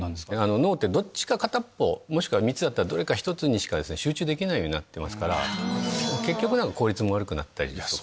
脳ってどっちか片方３つだったらどれか１つにしか集中できないですから結局効率も悪くなったりとか。